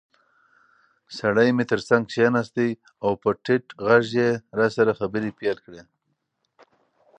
سړی مې تر څنګ کېناست او په ټیټ غږ یې راسره خبرې پیل کړې.